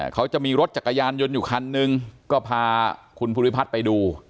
เขาจะมีรถจักรยานยนต์อยู่คันนึงก็พาคุณภูริพัฒน์ไปดู